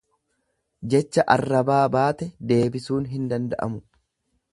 Jecha arrabaa baate deebisuun hin danda'amu.